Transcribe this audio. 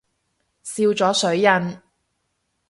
笑咗水印